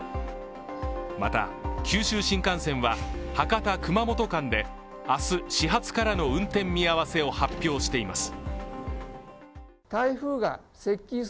また九州新幹線は、博多−熊本間で明日、始発からの運転見合わせを発表しています。